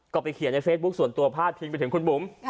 ก็ไปเขียนในเฟซบุ๊คส่วนตัวพาดพิงไปถึงคุณบุ๋ม